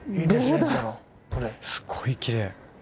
すごいきれい。